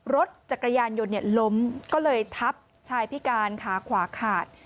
รถจักรยานยนต์ล้มก็เลยทับชายพิการขาขวาขาด